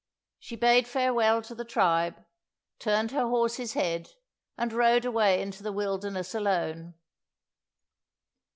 She bade farewell to the tribe, turned her horse's head, and rode away into the wilderness alone.